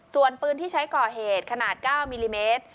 ส่วนปืนที่ใช้ก่อเหตุขนาด๙มิลลิเมตร